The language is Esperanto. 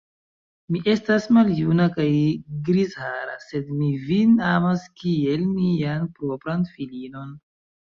Mi estas maljuna kaj grizhara, sed mi vin amas kiel mian propran filinon.